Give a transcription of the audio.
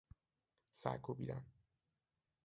سر کوبیدن